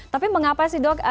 tapi mengapa sih dok